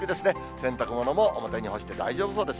洗濯物も表に干して大丈夫そうです。